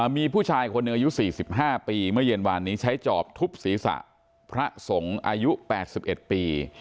มีผู้ชายคนหนึ่งอายุ๔๕ปีเมื่อเย็นวานนี้ใช้จอบทุบศีรษะพระสงฆ์อายุ๘๑ปี